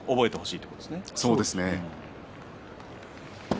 そうですね。